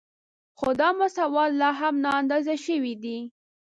خو دا مساوات لا هم نااندازه شوی دی